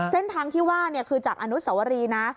เส้นทางที่ว่าคือจากอนุสวรีนะ